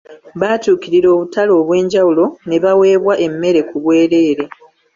Batuukirira obutale obwenjawulo ne baweebwa emmere ku bwereere.